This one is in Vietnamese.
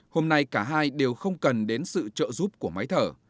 hôm nay cả hai đều không cần đến sự trợ giúp của máy thở